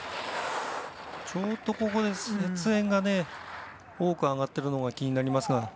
ちょっと雪煙が多く上がっているのが気になりますが。